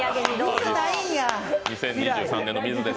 ２０２３年の水です。